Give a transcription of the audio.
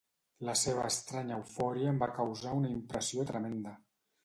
La seva estranya eufòria em va causar una impressió tremenda.